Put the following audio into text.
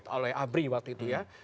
oleh abri waktu itu ya